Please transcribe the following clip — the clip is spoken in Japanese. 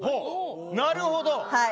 なるほど。